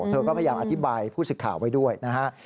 เธอก็พยายามอธิบายผู้สิทธิ์ข่าวไว้ด้วยนะฮะ